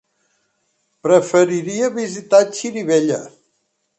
Preferiria visitar Xirivella.